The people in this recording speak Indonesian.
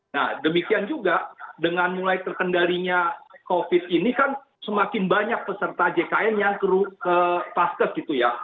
nah demikian juga dengan mulai terkendalinya covid ini kan semakin banyak peserta jkn yang ke paskes gitu ya